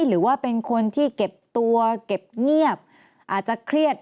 หรือว่าเป็นคนที่เก็บตัวเก็บเงียบอาจจะเครียด